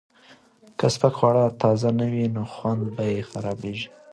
که سپک خواړه تازه نه وي، خوند یې خرابېږي.